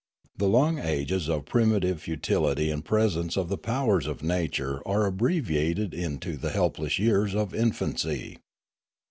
The long ages of primitive futility in presence of the powers of nature 4° Limanora are abbreviated into the helpless years of infancy.